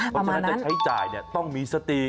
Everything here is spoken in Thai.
เพราะฉะนั้นจะใช้จ่ายต้องมีสติ